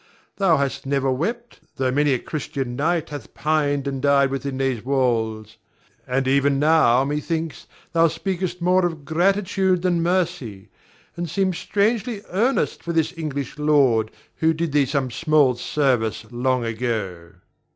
Thou hast never wept, tho' many a Christian knight hath pined and died within these walls; and even now, methinks, thou speakest more of gratitude than mercy, and seem strangely earnest for the English lord who did thee some small service long ago.